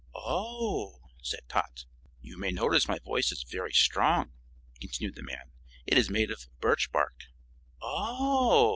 "Oh!" said Tot. "You may notice my voice is very strong," continued the man; "it is made of birch bark." "Oh!"